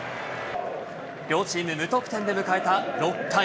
両チーム無得点で迎えた６回。